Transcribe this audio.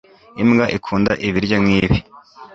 Imbwa ikunda ibiryo nkibi